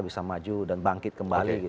bisa maju dan bangkit kembali